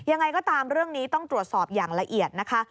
ยังไงก็ตามเรื่องนี้ต้องตรวจสอบอย่างละเอียดนะคะ